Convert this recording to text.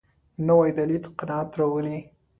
نوی دلیل قناعت راولي